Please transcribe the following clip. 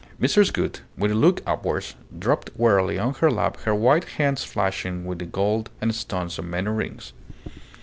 Mrs. Gould, with a look upwards, dropped wearily on her lap her white hands flashing with the gold and stones of many rings.